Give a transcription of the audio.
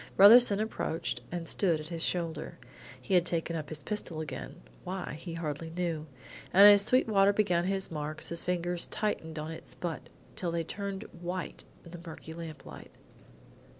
Brotherson approached and stood at his shoulder. He had taken up his pistol again, why he hardly knew, and as Sweetwater began his marks, his fingers tightened on its butt till they turned white in the murky lamplight.